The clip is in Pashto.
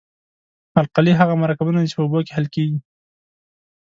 القلي هغه مرکبونه دي چې په اوبو کې حل کیږي.